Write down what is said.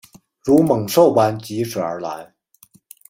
如猛兽般疾驶而来